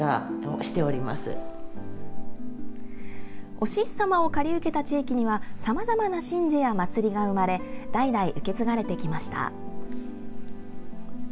おしっさまを借り受けた地域にはさまざまな神事や祭りが生まれ代々、受け継がれてきました。